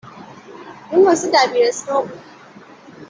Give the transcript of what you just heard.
.اون واسه دبیرستان بود